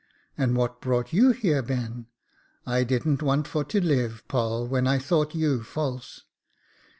And what brought you here, Ben ?'"' I didn't want for to live. Poll, when I thought you false.'